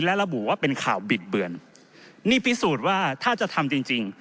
และระบุว่าเป็นข่าวบิดเบือนนี่พิสูจน์ว่าถ้าจะทำจริงจริง